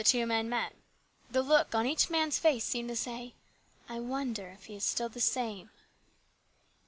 two men met. The look on each man's face seemed to say, " I wonder if he is still the same